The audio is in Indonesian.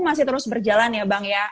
masih terus berjalan ya bang ya